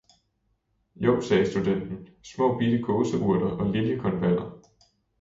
Jo, sagde studenten, småbitte gåseurter og liljekonvaller!